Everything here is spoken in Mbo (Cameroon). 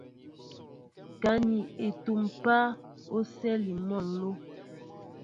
Ka ni etúm páá, o sɛli mol nló.